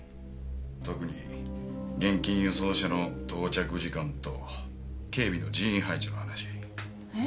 特に現金輸送車の到着時間と警備の人員配置の話。え？